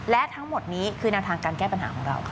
และทั้งหมดนี้คือแนวทางการแก้ปัญหาของเราค่ะ